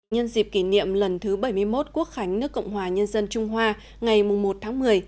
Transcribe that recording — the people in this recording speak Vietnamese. nhân dịp kỷ niệm lần thứ bảy mươi một quốc khánh nước cộng hòa nhân dân trung hoa ngày một tháng một mươi